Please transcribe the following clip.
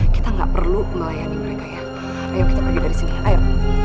kita nggak perlu melayani mereka ya ayo kita pergi dari segi air